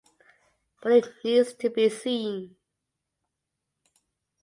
But it needs to be seen.